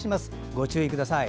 ご注意ください。